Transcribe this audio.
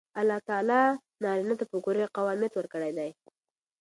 الله تعالی نارینه ته په کور کې قوامیت ورکړی دی.